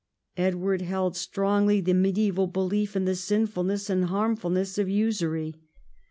Edward held strongly the mediaeval belief in the sinful ness and harmfulness of usury.